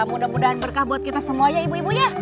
mudah mudahan berkah buat kita semuanya ibu ibu ya